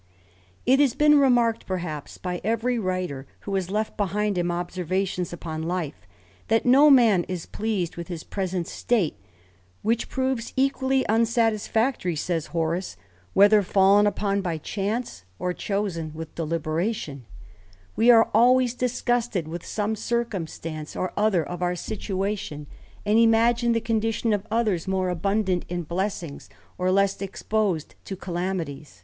TT has been remarked, perhaps, by every writer who has "*" left behind him observations upon life, that no man is pleased with his present state ; which proves equally unsatisfactory, says Horace, whether fallen upon by chancy THE RAMBLER. 85 or chosen with deliberation ; we are always disgusted with some circumstance or other of our situation, and imagine the condition of others more abundant in blessings, or less exposed to calamities.